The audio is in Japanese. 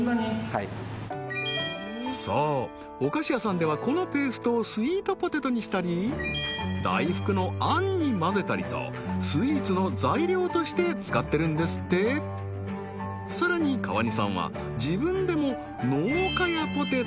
はいそうお菓子屋さんではこのペーストをスイートポテトにしたり大福のあんに混ぜたりとスイーツの材料として使ってるんですってさらにわお！